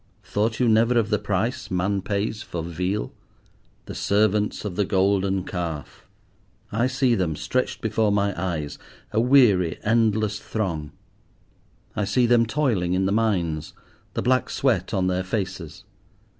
Thought you never of the price man pays for Veal? The servants of the Golden Calf! I see them, stretched before my eyes, a weary, endless throng. I see them toiling in the mines, the black sweat on their faces.